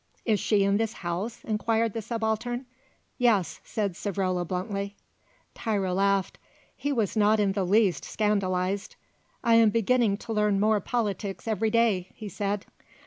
"Is she in this house?" inquired the Subaltern. "Yes," said Savrola bluntly. Tiro laughed; he was not in the least scandalised. "I am beginning to learn more politics every day," he said.